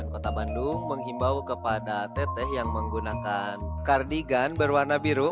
kota bandung menghimbau kepada teteh yang menggunakan kardigan berwarna biru